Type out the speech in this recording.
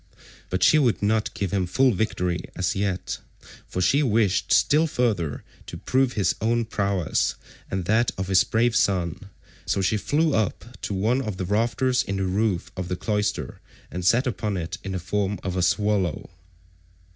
But she would not give him full victory as yet, for she wished still further to prove his own prowess and that of his brave son, so she flew up to one of the rafters in the roof of the cloister and sat upon it in the form of a swallow.